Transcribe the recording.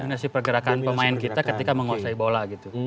dominasi pergerakan pemain kita ketika menguasai bola gitu